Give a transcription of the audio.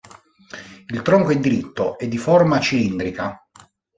Il tronco è diritto e di forma cilindrica.